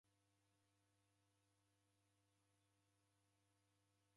Wakio wafundishwa ni wurumwengu.